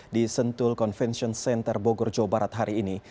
di sentul convention center bogor jawa barat hari ini